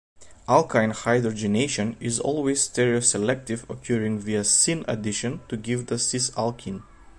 Alkyne hydrogenation is always stereoselective, occurring via syn addition to give the cis-alkene.